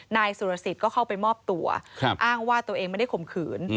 นายสุรสิทธิ์ก็เข้าไปมอบตัวอ้างว่าตัวเองไม่ได้ข่มขืน